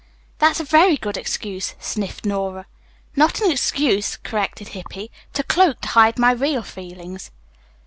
"That's a very good excuse," sniffed Nora. "Not an excuse," corrected Hippy, "but a cloak to hide my real feelings."